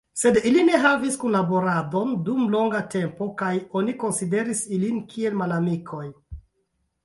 Sed ili ne havis kunlaboradon dum longa tempo kaj oni konsideris ilin kiel malamikoj.